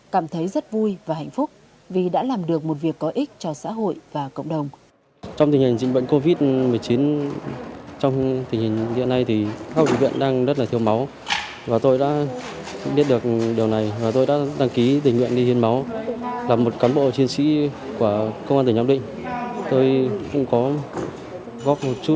cảm thấy rất vui và hạnh phúc vì đã làm được một việc có ích cho xã hội và cộng đồng